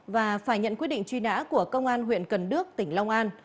và phải nhận quyết định truy nã của công an huyện cần đước tỉnh long an